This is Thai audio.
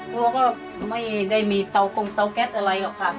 กลัวก็ไม่ได้มีเตากงเตาแก๊สอะไรหรอกค่ะ